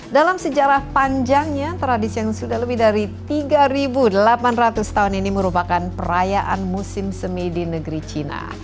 dalam sejarah panjangnya tradisi yang sudah lebih dari tiga delapan ratus tahun ini merupakan perayaan musim semi di negeri cina